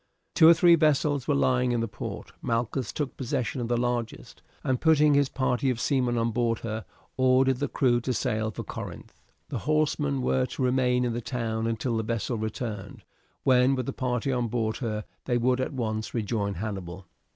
Two or three vessels were lying in the port; Malchus took possession of the largest, and, putting his party of seamen on board her, ordered the crew to sail for Corinth. The horsemen were to remain in the town until the vessel returned, when, with the party on board her, they would at once rejoin Hannibal.